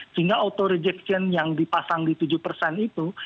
sehingga auto rejection yang dipasang di tujuh persen itu